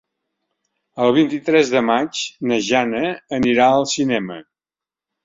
El vint-i-tres de maig na Jana anirà al cinema.